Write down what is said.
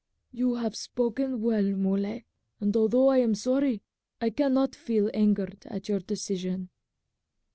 "You have spoken well, Muley, and although I am sorry, I cannot feel angered at your decision."